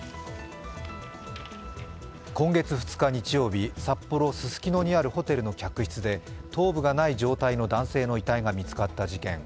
今月２日日曜日、札幌・ススキノにあるホテルの客室で頭部がない状態の男性の遺体が見つかった事件。